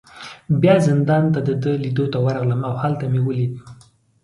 بیا زندان ته د ده لیدو ته ورغلم، او هلته مې ولید.